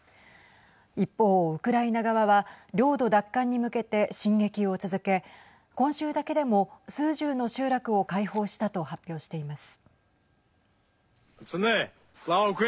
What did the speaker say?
一方、ウクライナ側は領土奪還に向けて進撃を続け今週だけでも、数十の集落を解放したと発表しています。